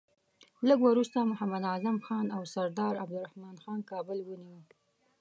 لږ وروسته محمد اعظم خان او سردار عبدالرحمن خان کابل ونیوی.